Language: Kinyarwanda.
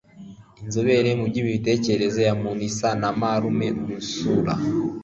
inzobere mu by'imitekerereze ya muntu isa na marume mu isura